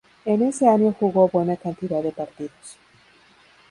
En ese año jugó buena cantidad de partidos.